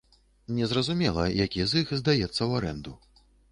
Незразумела, які з іх здаецца ў арэнду.